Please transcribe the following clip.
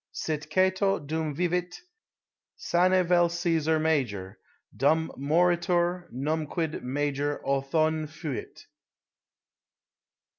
Sit Cato dum vivit, sane vol CsBsar major; Dum moritur, numquid major Othone fuit.